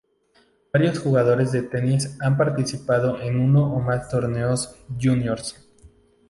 Varios jugadores de tenis han participado en uno o más torneos "juniors".